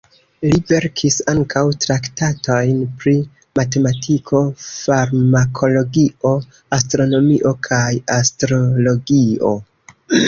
Li verkis ankaŭ traktatojn pri matematiko, farmakologio, astronomio kaj astrologio.